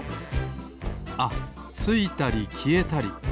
ついたりきえたり。